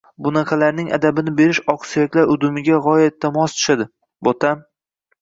– Bunaqalarning adabini berish oqsuyaklar udumiga g‘oyatda mos tushadi, bo‘tam